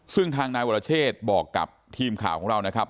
ซึ่งทางนายวรเชษบอกกับทีมข่าวของเรานะครับ